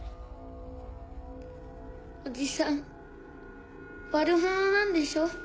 おじさん悪者なんでしょ？